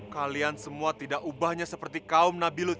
kalian semua tidak ubahnya seperti kaum nabi lut